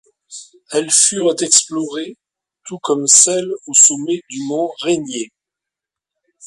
Elles furent explorées tout comme celle au sommet du mont Rainier.